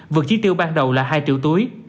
vượt chi tiêu ban đầu là hai triệu túi